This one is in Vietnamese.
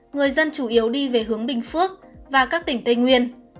người dân chủ yếu đi về hướng bình phước và các tỉnh tây nguyên